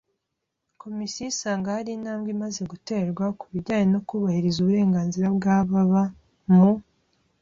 Komisiyo isanga hari intambwe imaze guterwa ku bijyanye no kubahiriza uburenganzira bw ababa mu